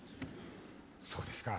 そうですか。